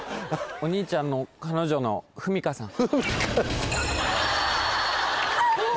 お兄ちゃんの彼女のふみかさんあっ！